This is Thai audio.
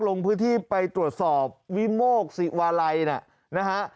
ลงพื้นที่ไปตรวจสอบวิโมกศิวาลัยนะฮะ